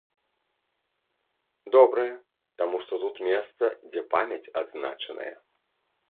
Добрае, таму што тут месца, дзе памяць адзначаная.